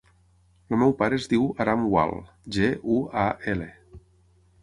El meu pare es diu Aram Gual: ge, u, a, ela.